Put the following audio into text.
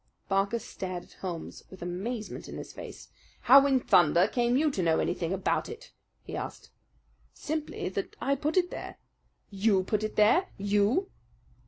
Barker stared at Holmes with amazement in his face. "How in thunder came you to know anything about it?" he asked. "Simply that I put it there." "You put it there! You!"